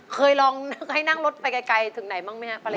เคยลองให้นั่งรถไปไกลถึงไหนบ้างมั้ยครับภรรยา